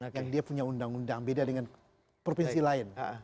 dan dia punya undang undang beda dengan provinsi lain